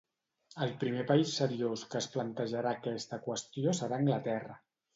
El primer país seriós que es plantejarà aquesta qüestió serà Anglaterra.